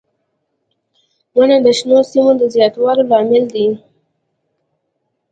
• ونه د شنو سیمو د زیاتوالي لامل دی.